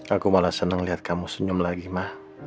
aku malah seneng liat kamu senyum lagi ma